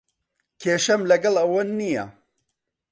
کێشەم لەگەڵ ئەوە نییە.